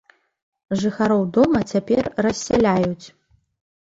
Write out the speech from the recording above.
Жыхароў дома цяпер рассяляюць.